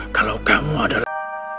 kalau kamu adalah